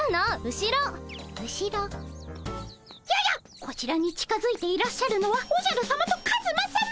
後ろ？ややっこちらに近づいていらっしゃるのはおじゃるさまとカズマさま！